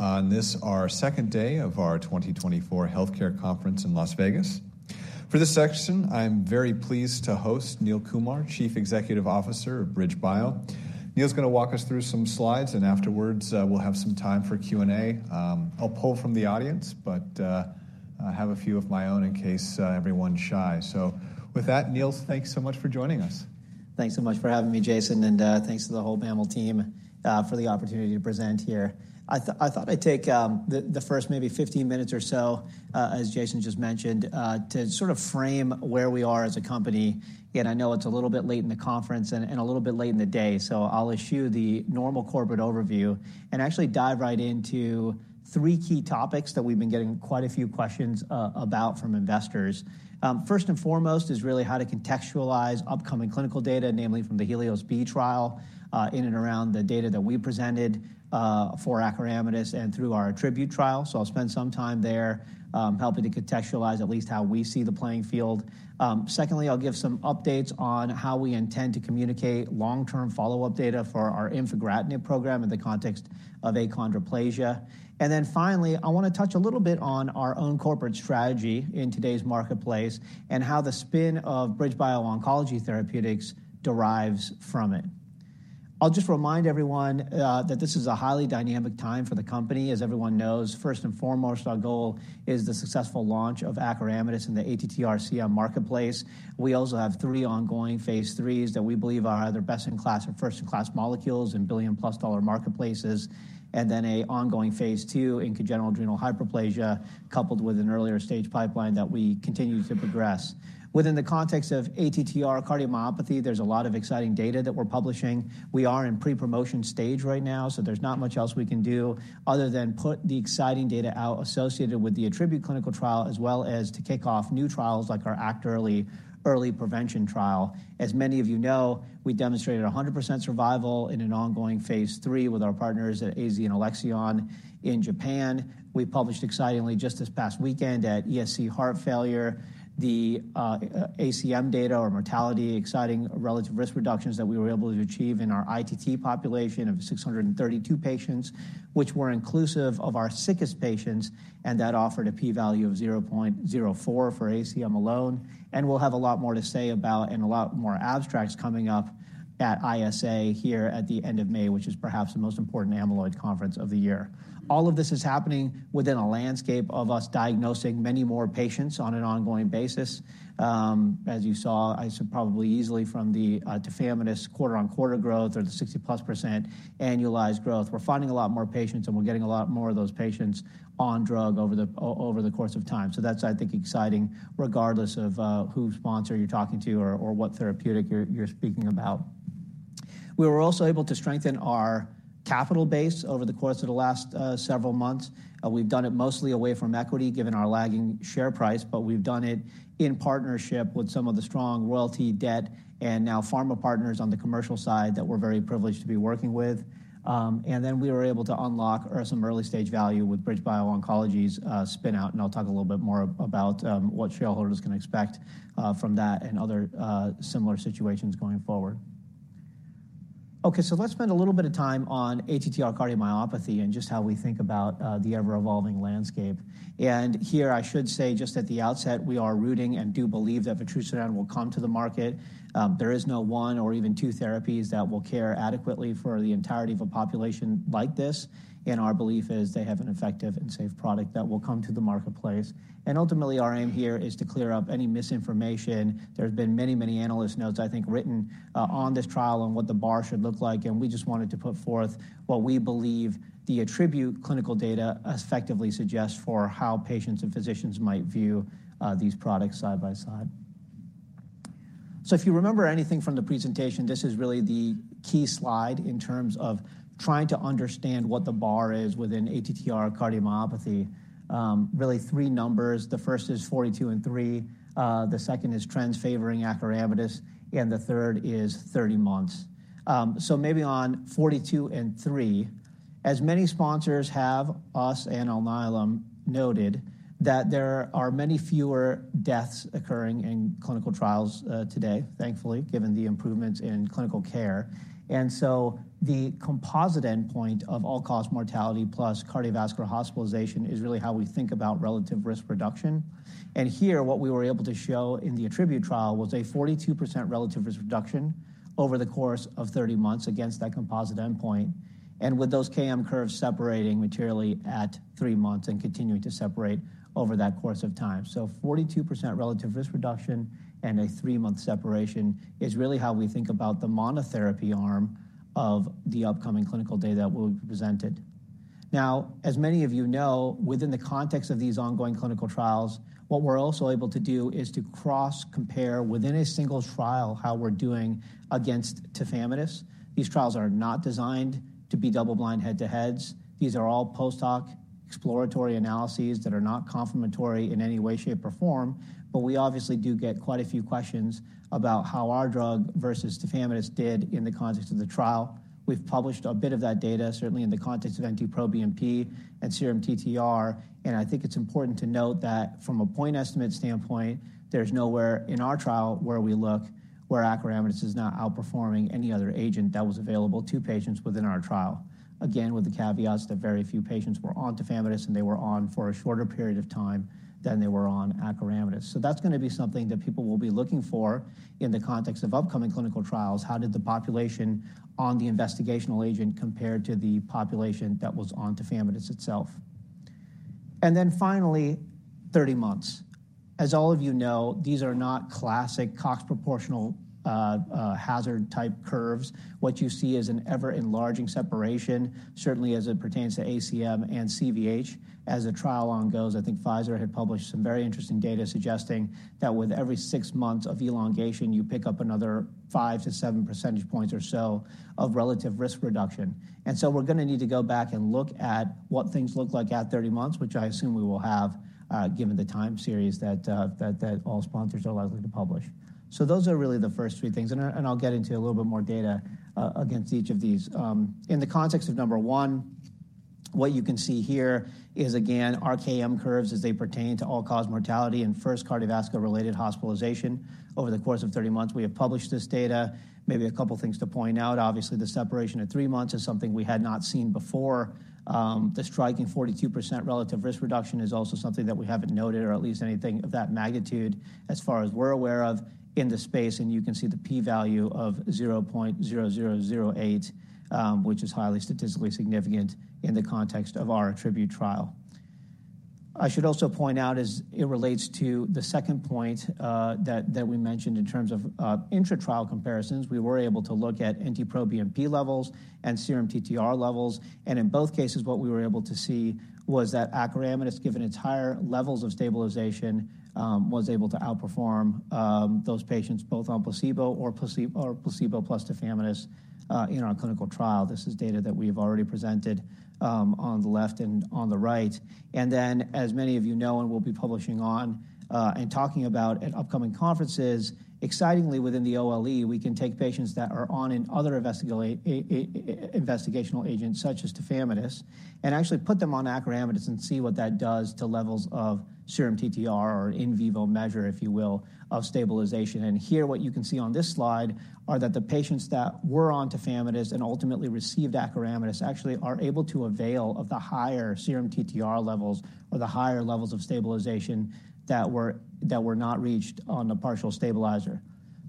On this, our second day of our 2024 Healthcare Conference in Las Vegas. For this section, I'm very pleased to host Neil Kumar, Chief Executive Officer of BridgeBio. Neil's going to walk us through some slides, and afterwards, we'll have some time for Q&A. I'll pull from the audience, but I have a few of my own in case everyone's shy. So with that, Neil, thanks so much for joining us. Thanks so much for having me, Jason, and thanks to the whole JPM team for the opportunity to present here. I thought I'd take the first maybe 15 minutes or so, as Jason just mentioned, to sort of frame where we are as a company. And I know it's a little bit late in the conference and a little bit late in the day, so I'll issue the normal corporate overview and actually dive right into three key topics that we've been getting quite a few questions about from investors. First and foremost, is really how to contextualize upcoming clinical data, namely from the HELIOS-B trial, in and around the data that we presented for acoramidis and through our ATTRibute trial. So I'll spend some time there, helping to contextualize at least how we see the playing field. Secondly, I'll give some updates on how we intend to communicate long-term follow-up data for our infigratinib program in the context of achondroplasia. And then finally, I want to touch a little bit on our own corporate strategy in today's marketplace, and how the spin of BridgeBio Oncology Therapeutics derives from it. I'll just remind everyone, that this is a highly dynamic time for the company, as everyone knows. First and foremost, our goal is the successful launch of acoramidis in the ATTR-CM marketplace. We also have three ongoing phase 3s that we believe are either best-in-class or first-in-class molecules in $ billion-plus dollar marketplaces, and then an ongoing phase 2 in congenital adrenal hyperplasia, coupled with an earlier stage pipeline that we continue to progress. Within the context of ATTR cardiomyopathy, there's a lot of exciting data that we're publishing. We are in pre-promotion stage right now, so there's not much else we can do other than put the exciting data out associated with the ATTRibute clinical trial, as well as to kick off new trials like our ACT-EARLY, early prevention trial. As many of you know, we demonstrated 100% survival in an ongoing phase 3 with our partners at AZ and Alexion in Japan. We published excitingly just this past weekend at ESC Heart Failure, the ACM data or mortality, exciting relative risk reductions that we were able to achieve in our ITT population of 632 patients, which were inclusive of our sickest patients, and that offered a p-value of 0.04 for ACM alone. We'll have a lot more to say about and a lot more abstracts coming up at ISA here at the end of May, which is perhaps the most important amyloid conference of the year. All of this is happening within a landscape of us diagnosing many more patients on an ongoing basis. As you saw, I said, probably easily from the tafamidis quarter-on-quarter growth or the 60%+ annualized growth. We're finding a lot more patients, and we're getting a lot more of those patients on drug over the over the course of time. So that's, I think, exciting, regardless of whose sponsor you're talking to or what therapeutic you're speaking about. We were also able to strengthen our capital base over the course of the last several months. We've done it mostly away from equity, given our lagging share price, but we've done it in partnership with some of the strong royalty debt and now pharma partners on the commercial side that we're very privileged to be working with. And then we were able to unlock some early-stage value with BridgeBio Oncology's spin out, and I'll talk a little bit more about what shareholders can expect from that and other similar situations going forward. Okay, so let's spend a little bit of time on ATTR cardiomyopathy and just how we think about the ever-evolving landscape. And here, I should say just at the outset, we are rooting for and do believe that vutrisiran will come to the market. There is no one or even two therapies that will cure adequately for the entirety of a population like this. Our belief is they have an effective and safe product that will come to the marketplace. Ultimately, our aim here is to clear up any misinformation. There have been many, many analyst notes, I think, written on this trial and what the bar should look like, and we just wanted to put forth what we believe the ATTRibute clinical data effectively suggests for how patients and physicians might view these products side by side. So if you remember anything from the presentation, this is really the key slide in terms of trying to understand what the bar is within ATTR-CM. Really three numbers. The first is 42 and 3, the second is trends favoring acoramidis, and the third is 30 months. So maybe on 42 and 3, as many sponsors have, us and Alnylam noted that there are many fewer deaths occurring in clinical trials today, thankfully, given the improvements in clinical care. And so the composite endpoint of all-cause mortality plus cardiovascular hospitalization is really how we think about relative risk reduction. And here, what we were able to show in the ATTRibute trial was a 42% relative risk reduction over the course of 30 months against that composite endpoint, and with those KM curves separating materially at three months and continuing to separate over that course of time. So 42% relative risk reduction and a three-month separation is really how we think about the monotherapy arm of the upcoming clinical data that will be presented. Now, as many of you know, within the context of these ongoing clinical trials, what we're also able to do is to cross-compare within a single trial how we're doing against tafamidis. These trials are not designed to be double-blind head-to-heads. These are all post-hoc exploratory analyses that are not confirmatory in any way, shape, or form. But we obviously do get quite a few questions about how our drug versus tafamidis did in the context of the trial. We've published a bit of that data, certainly in the context of NT-proBNP... and serum TTR, and I think it's important to note that from a point estimate standpoint, there's nowhere in our trial where we look, where acoramidis is not outperforming any other agent that was available to patients within our trial. Again, with the caveats that very few patients were on tafamidis, and they were on for a shorter period of time than they were on acoramidis. So that's gonna be something that people will be looking for in the context of upcoming clinical trials. How did the population on the investigational agent compare to the population that was on tafamidis itself? And then finally, 30 months. As all of you know, these are not classic Cox proportional hazard-type curves. What you see is an ever-enlarging separation, certainly as it pertains to ACM and CVH. As the trial on goes, I think Pfizer had published some very interesting data suggesting that with every six months of elongation, you pick up another five to seven percentage points or so of relative risk reduction. We're gonna need to go back and look at what things look like at 30 months, which I assume we will have, given the time series that all sponsors are likely to publish. So those are really the first three things, and I'll get into a little bit more data against each of these. In the context of number 1, what you can see here is, again, KM curves as they pertain to all-cause mortality and first cardiovascular-related hospitalization over the course of 30 months. We have published this data. Maybe a couple of things to point out. Obviously, the separation at three months is something we had not seen before. The striking 42% relative risk reduction is also something that we haven't noted, or at least anything of that magnitude, as far as we're aware of in this space, and you can see the p-value of 0.0008, which is highly statistically significant in the context of our ATTRibute trial. I should also point out as it relates to the second point, that we mentioned in terms of, intratrial comparisons, we were able to look at NT-proBNP levels and serum TTR levels. And in both cases, what we were able to see was that acoramidis, given its higher levels of stabilization, was able to outperform, those patients, both on placebo or placebo plus tafamidis, in our clinical trial. This is data that we have already presented, on the left and on the right. And then, as many of you know, and we'll be publishing on, and talking about at upcoming conferences, excitingly, within the OLE, we can take patients that are on other investigational agents such as tafamidis, and actually put them on acoramidis and see what that does to levels of serum TTR or in vivo measure, if you will, of stabilization. And here, what you can see on this slide are that the patients that were on tafamidis and ultimately received acoramidis, actually are able to avail of the higher serum TTR levels or the higher levels of stabilization that were not reached on a partial stabilizer.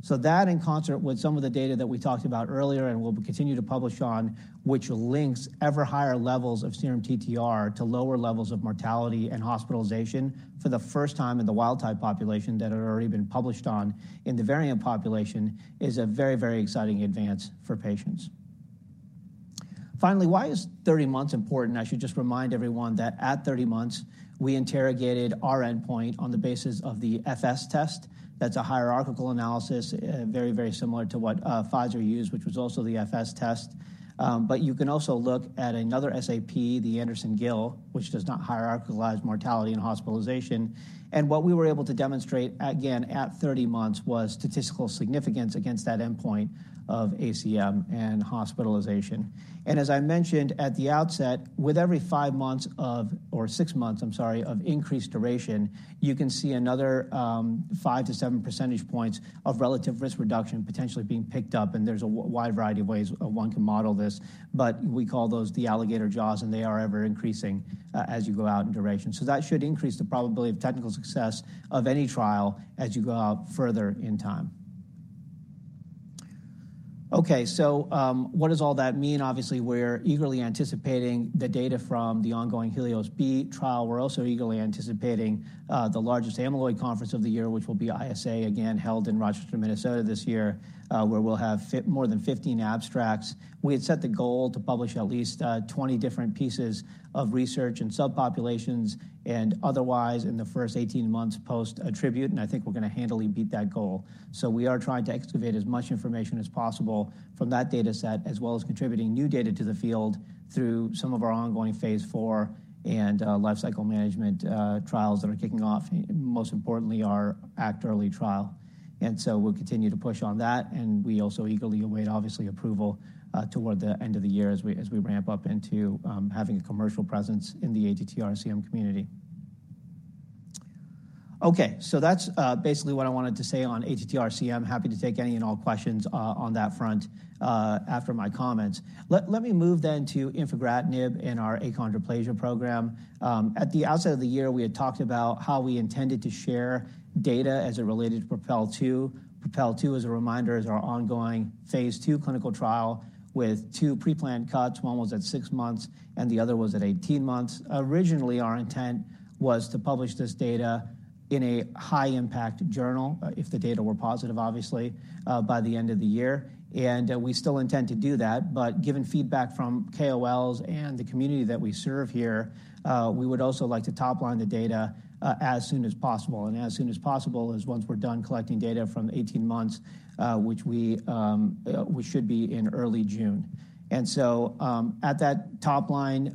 So that, in concert with some of the data that we talked about earlier and we'll continue to publish on, which links ever higher levels of serum TTR to lower levels of mortality and hospitalization for the first time in the wild type population that had already been published on in the variant population, is a very, very exciting advance for patients. Finally, why is 30 months important? I should just remind everyone that at 30 months, we interrogated our endpoint on the basis of the FS test. That's a hierarchical analysis, very, very similar to what Pfizer used, which was also the FS test. But you can also look at another SAP, the Anderson-Gill, which does not hierarchize mortality and hospitalization. And what we were able to demonstrate, again, at 30 months, was statistical significance against that endpoint of ACM and hospitalization. And as I mentioned at the outset, with every five months of... or six months, I'm sorry, of increased duration, you can see another, five to seven percentage points of relative risk reduction potentially being picked up, and there's a wide variety of ways one can model this. But we call those the alligator jaws, and they are ever-increasing, as you go out in duration. So that should increase the probability of technical success of any trial as you go out further in time. Okay, so, what does all that mean? Obviously, we're eagerly anticipating the data from the ongoing HELIOS-B trial. We're also eagerly anticipating, the largest amyloid conference of the year, which will be ISA, again, held in Rochester, Minnesota, this year, where we'll have more than 15 abstracts. We had set the goal to publish at least 20 different pieces of research in subpopulations and otherwise in the first 18 months post-ATTRibute, and I think we're gonna handily beat that goal. So we are trying to excavate as much information as possible from that dataset, as well as contributing new data to the field through some of our ongoing phase IV and lifecycle management trials that are kicking off, most importantly, our ACT-EARLY trial. And so we'll continue to push on that, and we also eagerly await, obviously, approval toward the end of the year as we ramp up into having a commercial presence in the ATTR-CM community. Okay, so that's basically what I wanted to say on ATTR-CM. Happy to take any and all questions on that front after my comments. Let me move then to Infigratinib and our achondroplasia program. At the outset of the year, we had talked about how we intended to share data as it related to PROPEL2. PROPEL2, as a reminder, is our ongoing phase II clinical trial with two preplanned cuts. One was at six months, and the other was at 18 months. Originally, our intent was to publish this data in a high-impact journal, if the data were positive, obviously, by the end of the year. We still intend to do that, but given feedback from KOLs and the community that we serve here, we would also like to top line the data, as soon as possible. As soon as possible is once we're done collecting data from 18 months, which we should be in early June. And so, at that top line,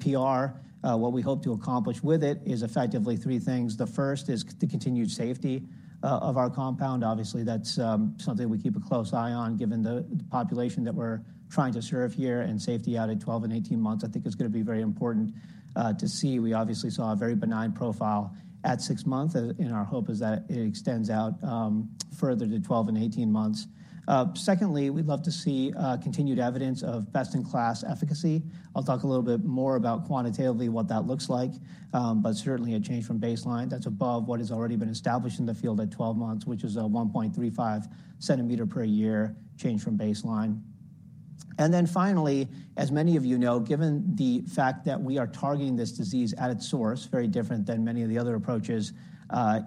PR, what we hope to accomplish with it is effectively three things. The first is the continued safety of our compound. Obviously, that's something we keep a close eye on, given the population that we're trying to serve here, and safety out at 12 and 18 months, I think is gonna be very important to see. We obviously saw a very benign profile at 6 months, and our hope is that it extends out further to 12 and 18 months. Secondly, we'd love to see continued evidence of best-in-class efficacy. I'll talk a little bit more about quantitatively what that looks like, but certainly a change from baseline that's above what has already been established in the field at 12 months, which is a 1.35cm per year change from baseline. And then finally, as many of you know, given the fact that we are targeting this disease at its source, very different than many of the other approaches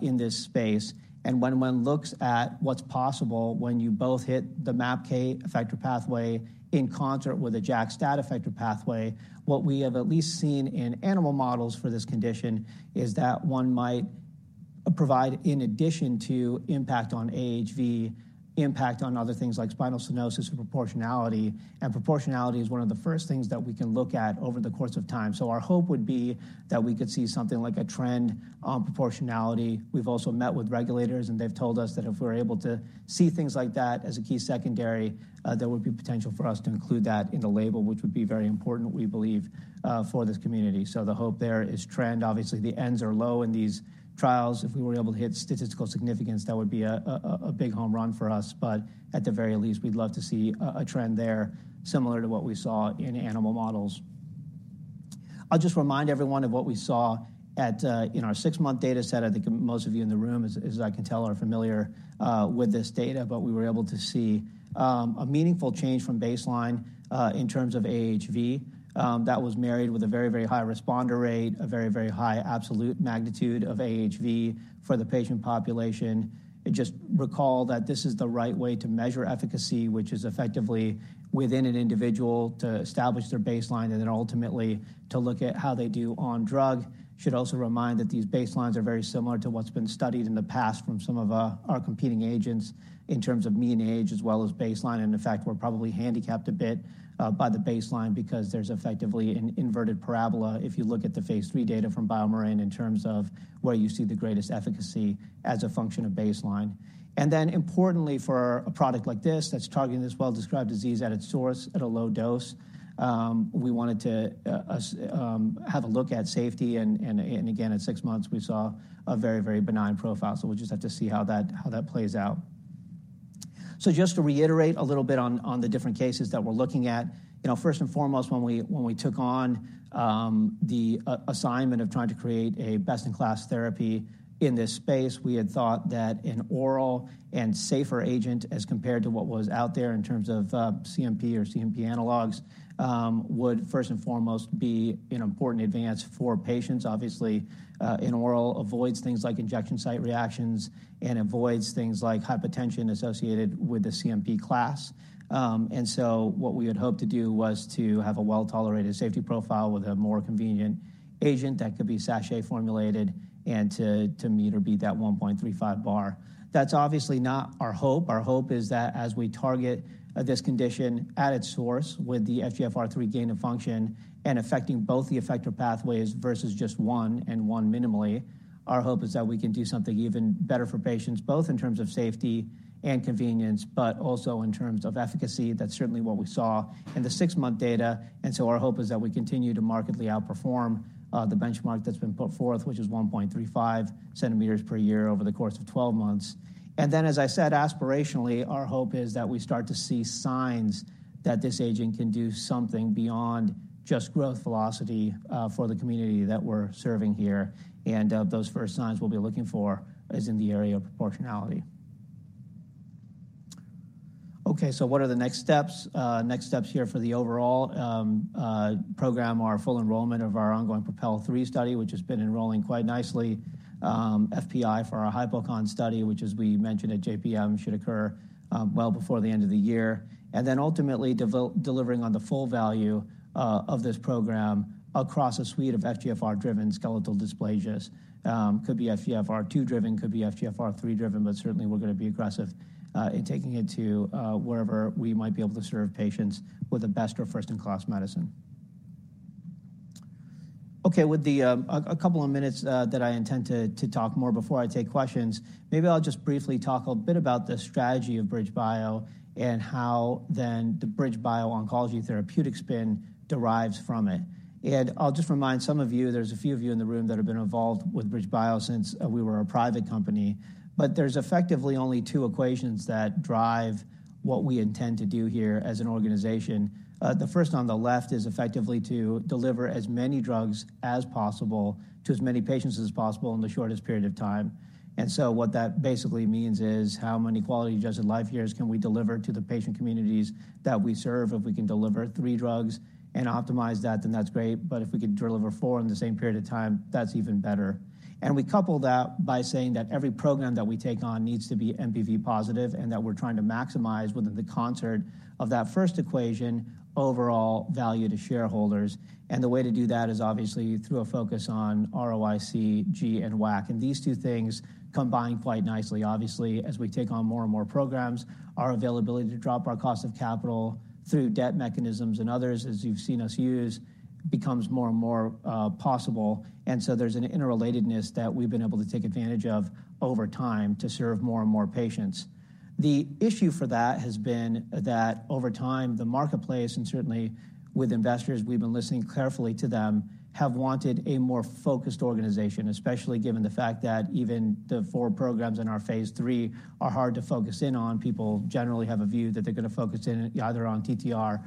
in this space, and when one looks at what's possible when you both hit the MAPK effector pathway in concert with a JAK-STAT effector pathway, what we have at least seen in animal models for this condition is that one might provide, in addition to impact on AHV, impact on other things like spinal stenosis and proportionality. And proportionality is one of the first things that we can look at over the course of time. So our hope would be that we could see something like a trend on proportionality. We've also met with regulators, and they've told us that if we're able to see things like that as a key secondary, there would be potential for us to include that in the label, which would be very important, we believe, for this community. So the hope there is trend. Obviously, the ends are low in these trials. If we were able to hit statistical significance, that would be a big home run for us, but at the very least, we'd love to see a trend there, similar to what we saw in animal models. I'll just remind everyone of what we saw at... In our six-month data set. I think most of you in the room, as I can tell, are familiar with this data, but we were able to see a meaningful change from baseline in terms of AHV. That was married with a very, very high responder rate, a very, very high absolute magnitude of AHV for the patient population. And just recall that this is the right way to measure efficacy, which is effectively within an individual to establish their baseline and then ultimately to look at how they do on drug. Should also remind that these baselines are very similar to what's been studied in the past from some of our competing agents in terms of mean age as well as baseline. In fact, we're probably handicapped a bit by the baseline because there's effectively an inverted parabola if you look at the phase 3 data from BioMarin in terms of where you see the greatest efficacy as a function of baseline. Then importantly, for a product like this that's targeting this well-described disease at its source at a low dose, we wanted to have a look at safety, and again, at six months, we saw a very, very benign profile. We'll just have to see how that plays out. So just to reiterate a little bit on the different cases that we're looking at, you know, first and foremost, when we took on the assignment of trying to create a best-in-class therapy in this space, we had thought that an oral and safer agent, as compared to what was out there in terms of CNP or CNP analogs, would first and foremost be an important advance for patients. Obviously, an oral avoids things like injection site reactions and avoids things like hypertension associated with the CNP class. And so what we had hoped to do was to have a well-tolerated safety profile with a more convenient agent that could be sachet formulated and to meet or beat that 1.35 bar. That's obviously not our hope. Our hope is that as we target this condition at its source, with the FGFR3 gain of function and affecting both the effector pathways versus just one and one minimally, our hope is that we can do something even better for patients, both in terms of safety and convenience, but also in terms of efficacy. That's certainly what we saw in the six-month data, and so our hope is that we continue to markedly outperform the benchmark that's been put forth, which is 1.35cm per year over the course of 12 months. And then, as I said, aspirationally, our hope is that we start to see signs that this agent can do something beyond just growth velocity for the community that we're serving here. And those first signs we'll be looking for is in the area of proportionality. Okay, so what are the next steps? Next steps here for the overall program are full enrollment of our ongoing PROPEL 3 study, which has been enrolling quite nicely. FPI for our hypochondroplasia study, which, as we mentioned at JPM, should occur well before the end of the year. And then ultimately, delivering on the full value of this program across a suite of FGFR-driven skeletal dysplasias. Could be FGFR2-driven, could be FGFR3-driven, but certainly, we're gonna be aggressive in taking it to wherever we might be able to serve patients with the best or first-in-class medicine. Okay, with a couple of minutes that I intend to talk more before I take questions, maybe I'll just briefly talk a bit about the strategy of BridgeBio and how then the BridgeBio Oncology Therapeutics spin derives from it. I'll just remind some of you, there's a few of you in the room that have been involved with BridgeBio since we were a private company, but there's effectively only two equations that drive what we intend to do here as an organization. The first on the left is effectively to deliver as many drugs as possible to as many patients as possible in the shortest period of time. And so what that basically means is how many quality-adjusted life years can we deliver to the patient communities that we serve? If we can deliver three drugs and optimize that, then that's great. But if we can deliver four in the same period of time, that's even better. We couple that by saying that every program that we take on needs to be NPV positive and that we're trying to maximize within the concert of that first equation, overall value to shareholders. The way to do that is obviously through a focus on ROIC, G, and WACC. These two things combine quite nicely. Obviously, as we take on more and more programs, our availability to drop our cost of capital through debt mechanisms and others, as you've seen us use, becomes more and more possible. So there's an interrelatedness that we've been able to take advantage of over time to serve more and more patients. The issue for that has been that over time, the marketplace, and certainly with investors, we've been listening carefully to them, have wanted a more focused organization, especially given the fact that even the four programs in our phase 3 are hard to focus in on. People generally have a view that they're gonna focus in either on TTR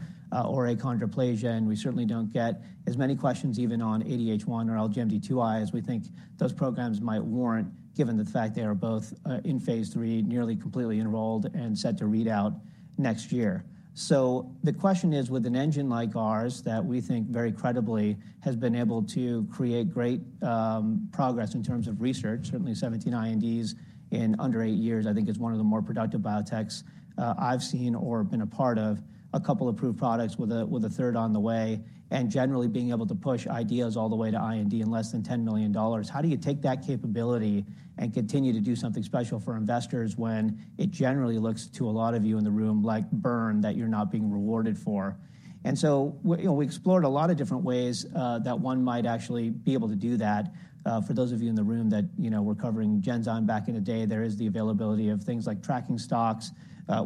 or achondroplasia, and we certainly don't get as many questions even on ADH1 or LGMD2I, as we think those programs might warrant, given the fact they are both in phase 3, nearly completely enrolled and set to read out next year. So the question is, with an engine like ours that we think very credibly has been able to create great progress in terms of research, certainly 17 INDs in under 8 years, I think, is one of the more productive biotechs I've seen or been a part of, a couple of approved products with a, with a third on the way, and generally being able to push ideas all the way to IND in less than $10 million. How do you take that capability and continue to do something special for investors when it generally looks to a lot of you in the room like burn rate that you're not being rewarded for? And so we, you know, we explored a lot of different ways that one might actually be able to do that. For those of you in the room that, you know, were covering Genzyme back in the day, there is the availability of things like tracking stocks.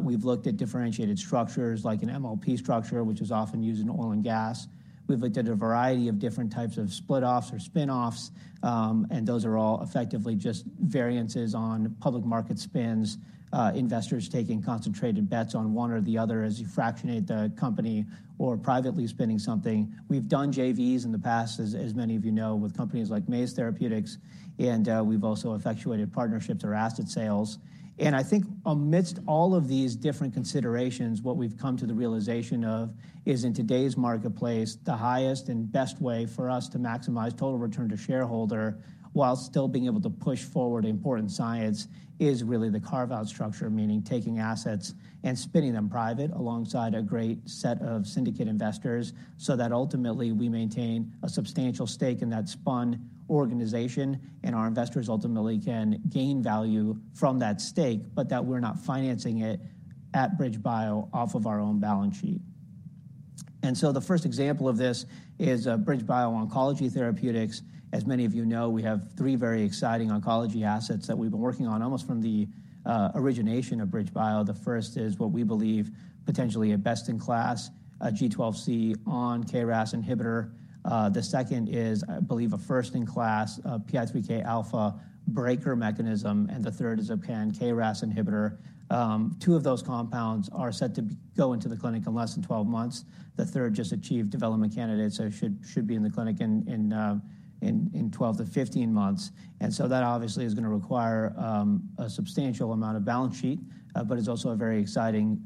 We've looked at differentiated structures like an MLP structure, which is often used in oil and gas. We've looked at a variety of different types of split offs or spin-offs, and those are all effectively just variances on public market spins, investors taking concentrated bets on one or the other as you fractionate the company or privately spinning something. We've done JVs in the past, as many of you know, with companies like Maze Therapeutics, and we've also effectuated partnerships or asset sales. And I think amidst all of these different considerations, what we've come to the realization of, is in today's marketplace, the highest and best way for us to maximize total return to shareholder, while still being able to push forward important science, is really the carve-out structure, meaning taking assets and spinning them private alongside a great set of syndicate investors, so that ultimately we maintain a substantial stake in that spun organization, and our investors ultimately can gain value from that stake, but that we're not financing it at BridgeBio off of our own balance sheet. And so the first example of this is, BridgeBio Oncology Therapeutics. As many of you know, we have three very exciting oncology assets that we've been working on almost from the, origination of BridgeBio. The first is what we believe, potentially a best-in-class, G12C on KRAS inhibitor. The second is, I believe, a first-in-class PI3K alpha breaker mechanism, and the third is a pan-KRAS inhibitor. Two of those compounds are set to go into the clinic in less than 12 months. The third just achieved development candidate, so should be in the clinic in 12-15 months. And so that obviously is gonna require a substantial amount of balance sheet, but it's also a very exciting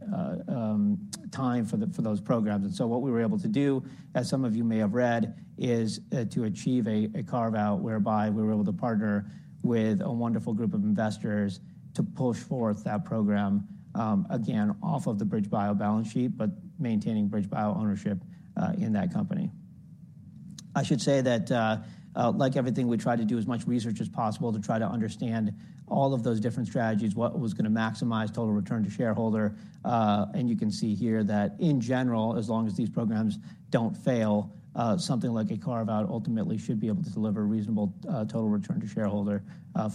time for those programs. And so what we were able to do, as some of you may have read, is to achieve a carve-out, whereby we were able to partner with a wonderful group of investors to push forth that program, again, off of the BridgeBio balance sheet, but maintaining BridgeBio ownership in that company. I should say that, like everything, we try to do as much research as possible to try to understand all of those different strategies, what was gonna maximize total return to shareholder. You can see here that in general, as long as these programs don't fail, something like a carve out ultimately should be able to deliver reasonable, total return to shareholder,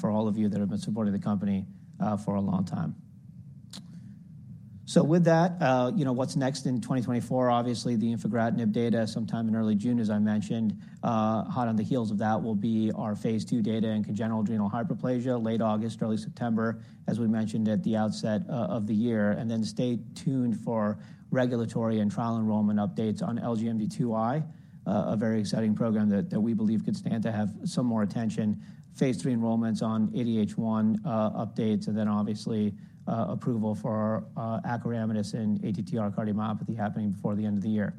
for all of you that have been supporting the company, for a long time. So with that, you know, what's next in 2024? Obviously, the infigratinib data, sometime in early June, as I mentioned. Hot on the heels of that will be our phase II data in congenital adrenal hyperplasia, late August, early September, as we mentioned at the outset of the year. And then stay tuned for regulatory and trial enrollment updates on LGMD2I, a very exciting program that we believe could stand to have some more attention. Phase 3 enrollments on ADH1 updates, and then obviously approval for acoramidis in ATTR cardiomyopathy happening before the end of the year.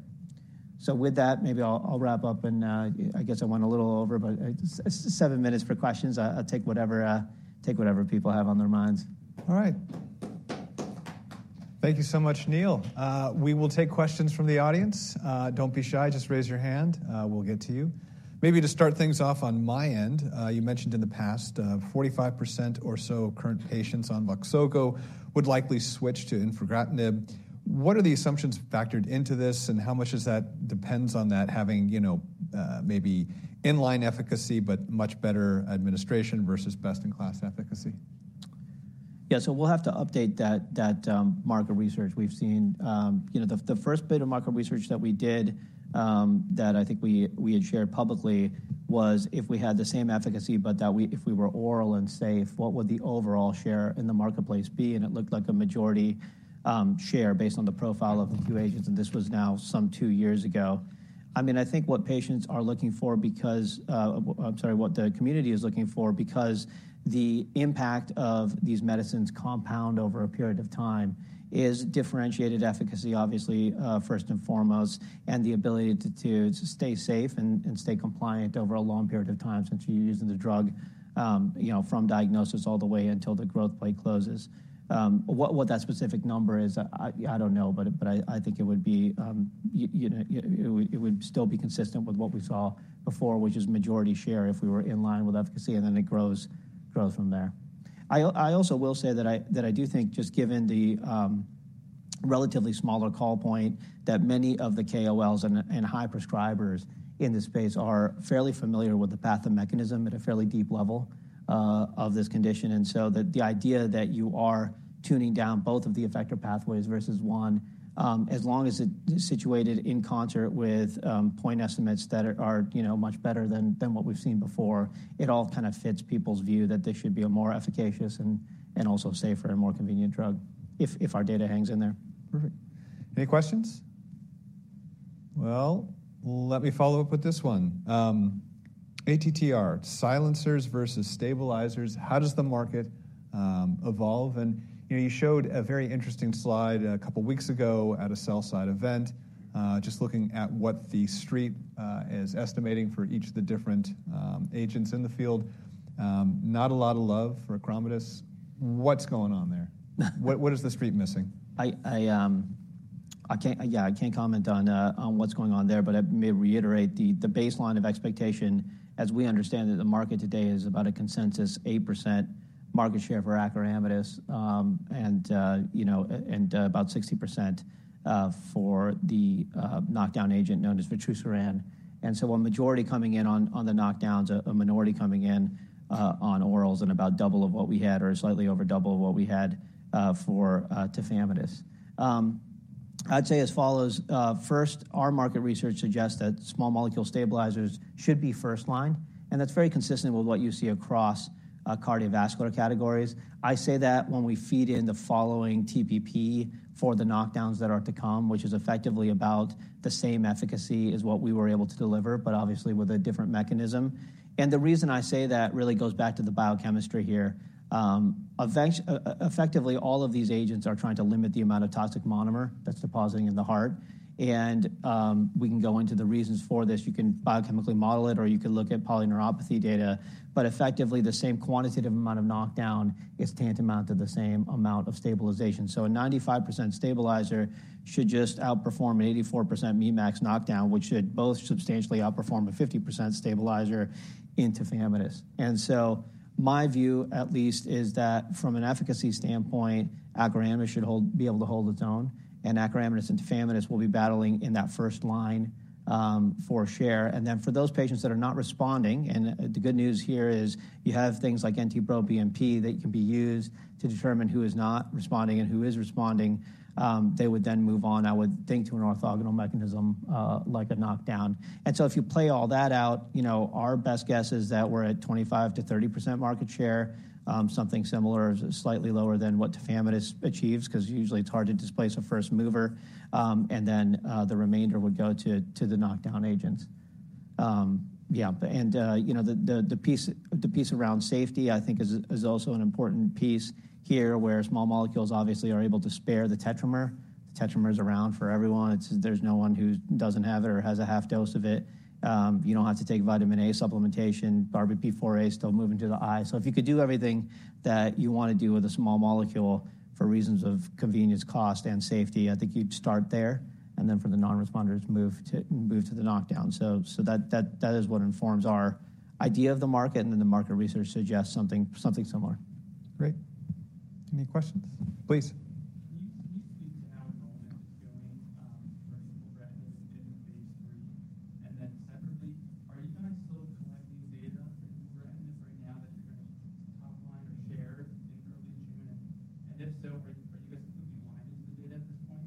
So with that, maybe I'll wrap up, and I guess I went a little over, but it's just seven minutes for questions. I'll take whatever people have on their minds. All right. Thank you so much, Neil. We will take questions from the audience. Don't be shy. Just raise your hand, we'll get to you. Maybe to start things off on my end, you mentioned in the past, 45% or so of current patients on Voxzogo would likely switch to infigratinib. What are the assumptions factored into this, and how much is that depends on that having, you know, maybe in line efficacy, but much better administration versus best-in-class efficacy? Yeah, so we'll have to update that market research. We've seen. You know, the first bit of market research that we did, that I think we had shared publicly, was if we had the same efficacy, but that we- if we were oral and safe, what would the overall share in the marketplace be? And it looked like a majority share based on the profile of the two agents, and this was now some two years ago. I mean, I think what patients are looking for because, I'm sorry, what the community is looking for, because the impact of these medicines compound over a period of time, is differentiated efficacy, obviously, first and foremost, and the ability to stay safe and stay compliant over a long period of time since you're using the drug, you know, from diagnosis all the way until the growth plate closes. What that specific number is, I don't know, but I think it would be, you know, it would still be consistent with what we saw before, which is majority share if we were in line with efficacy, and then it grows from there. I also will say that I do think, just given the relatively smaller call point, that many of the KOLs and high prescribers in this space are fairly familiar with the path and mechanism at a fairly deep level of this condition. And so the idea that you are tuning down both of the effector pathways versus one, as long as it's situated in concert with point estimates that are, you know, much better than what we've seen before, it all kinda fits people's view that this should be a more efficacious and also safer and more convenient drug, if our data hangs in there. Perfect. Any questions? Well, let me follow up with this one. ATTR, silencers versus stabilizers, how does the market, evolve? And, you know, you showed a very interesting slide a couple of weeks ago at a sell-side event, just looking at what the street, is estimating for each of the different, agents in the field. Not a lot of love for acoramidis. What's going on there? What, what is the street missing? I can't... Yeah, I can't comment on what's going on there, but I may reiterate the baseline of expectation, as we understand it, the market today is about a consensus 8% market share for acoramidis, and you know, and about 60% for the knockdown agent known as vutrisiran. And so a majority coming in on the knockdowns, a minority coming in on orals, and about double of what we had, or slightly over double of what we had, for tafamidis. I'd say as follows, first, our market research suggests that small molecule stabilizers should be first line, and that's very consistent with what you see across cardiovascular categories. I say that when we feed in the following TPP for the knockdowns that are to come, which is effectively about the same efficacy as what we were able to deliver, but obviously with a different mechanism. And the reason I say that really goes back to the biochemistry here. Effectively, all of these agents are trying to limit the amount of toxic monomer that's depositing in the heart, and we can go into the reasons for this. You can biochemically model it, or you can look at polyneuropathy data. But effectively, the same quantitative amount of knockdown is tantamount to the same amount of stabilization. So a 95% stabilizer should just outperform an 84% mean max knockdown, which should both substantially outperform a 50% stabilizer into tafamidis. My view, at least, is that from an efficacy standpoint, acoramidis should hold, be able to hold its own, and acoramidis and tafamidis will be battling in that first line for share. For those patients that are not responding, and the good news here is you have things like NT-proBNP that can be used to determine who is not responding and who is responding, they would then move on, I would think, to an orthogonal mechanism like a knockdown. If you play all that out, you know, our best guess is that we're at 25%-30% market share, something similar or slightly lower than what tafamidis achieves, because usually it's hard to displace a first mover, and then the remainder would go to the knockdown agents. Yeah, and you know, the piece around safety, I think, is also an important piece here, where small molecules obviously are able to spare the tetramer. The tetramer is around for everyone. It's, there's no one who doesn't have it or has a half dose of it. You don't have to take vitamin A supplementation. RBP4 is still moving to the eye. So if you could do everything that you want to do with a small molecule for reasons of convenience, cost, and safety, I think you'd start there, and then for the nonresponders, move to the knockdown. So that is what informs our idea of the market, and then the market research suggests something similar. Great. Any questions? Please. Can you, can you speak to how enrollment is going for retinal in phase 3? And then separately, are you guys still collecting data in PROPEL right now that you're gonna top line or share in early June? And if so, are you, are you guys going to be blind into the data at this point?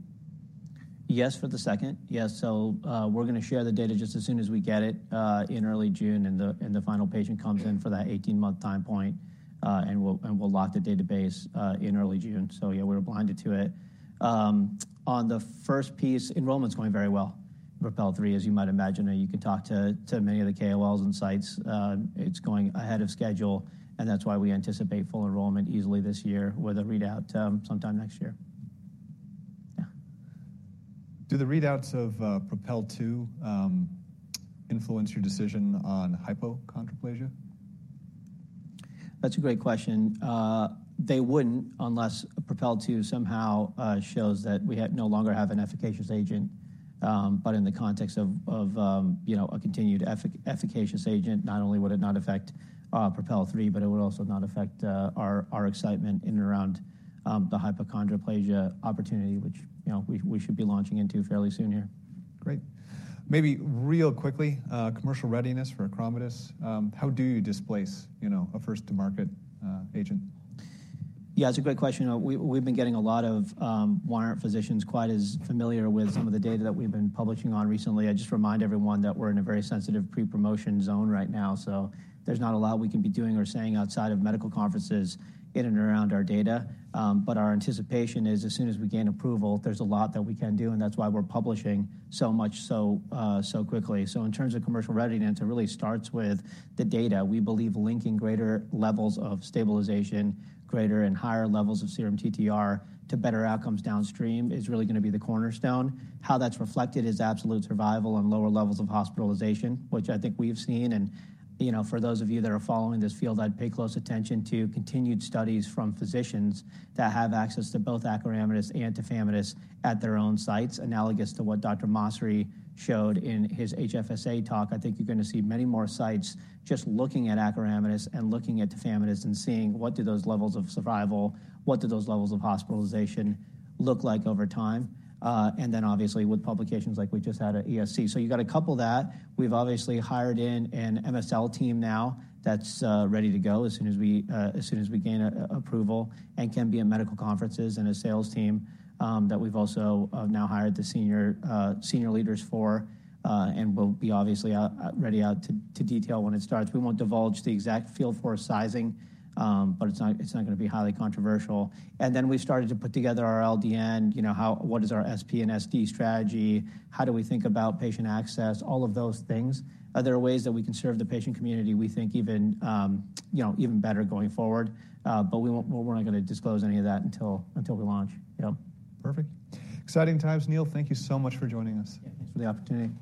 Yes, for the second. Yes. So, we're gonna share the data just as soon as we get it, in early June, and the final patient comes in for that 18-month time point, and we'll lock the database, in early June. So yeah, we're blinded to it. On the first piece, enrollment's going very well. PROPEL 3, as you might imagine, you could talk to many of the KOLs and sites. It's going ahead of schedule, and that's why we anticipate full enrollment easily this year, with a readout, sometime next year. Yeah. Do the readouts of PROPEL 2 influence your decision on hypochondroplasia? That's a great question. They wouldn't, unless PROPEL 2 somehow shows that we no longer have an efficacious agent. But in the context of you know, a continued efficacious agent, not only would it not affect PROPEL 3, but it would also not affect our excitement in and around the hypochondroplasia opportunity, which you know, we should be launching into fairly soon here. Great. Maybe real quickly, commercial readiness for acoramidis. How do you displace, you know, a first-to-market agent? Yeah, that's a great question. We, we've been getting a lot of why aren't physicians quite as familiar with some of the data that we've been publishing on recently? I just remind everyone that we're in a very sensitive pre-promotion zone right now, so there's not a lot we can be doing or saying outside of medical conferences in and around our data. But our anticipation is as soon as we gain approval, there's a lot that we can do, and that's why we're publishing so much, so quickly. So in terms of commercial readiness, it really starts with the data. We believe linking greater levels of stabilization, greater and higher levels of serum TTR to better outcomes downstream is really gonna be the cornerstone. How that's reflected is absolute survival and lower levels of hospitalization, which I think we've seen, and, you know, for those of you that are following this field, I'd pay close attention to continued studies from physicians that have access to both acoramidis and tafamidis at their own sites, analogous to what Dr. Maurer showed in his HFSA talk. I think you're gonna see many more sites just looking at acoramidis and looking at tafamidis and seeing what do those levels of survival, what do those levels of hospitalization look like over time, and then obviously, with publications like we just had at ESC. So you've got a couple that we've obviously hired an MSL team now that's ready to go as soon as we gain an approval and can be in medical conferences, and a sales team that we've also now hired the senior leaders for, and we'll be obviously out ready to detail when it starts. We won't divulge the exact field force sizing, but it's not gonna be highly controversial. And then we started to put together our LDN, you know, how... What is our SP and SD strategy? How do we think about patient access? All of those things. Are there ways that we can serve the patient community we think even, you know, even better going forward? We won't, we're not gonna disclose any of that until we launch. Yep. Perfect. Exciting times. Neil, thank you so much for joining us. Yeah, thanks for the opportunity.